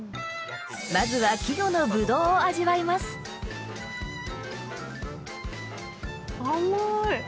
まずは季語の葡萄を味わいます甘い！